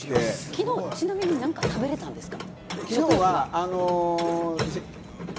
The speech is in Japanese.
きのう、ちなみに何か食べれたんですか？